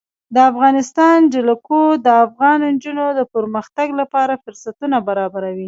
د افغانستان جلکو د افغان نجونو د پرمختګ لپاره فرصتونه برابروي.